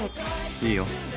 いいよ。